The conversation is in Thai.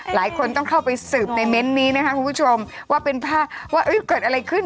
หลายคนต้องเข้าไปสืบในเม้นต์นี้นะคะคุณผู้ชมว่าเป็นภาพว่าเกิดอะไรขึ้น